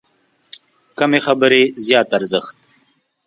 کمې خبرې، زیات ارزښت لري.